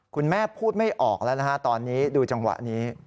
คุณแม่พูดไม่ออกแล้วนะฮะตอนนี้ดูจังหวะนี้